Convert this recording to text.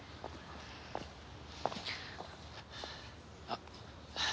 あっ。